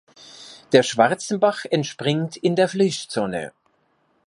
Der Schwarzenbach entspringt in der Flyschzone.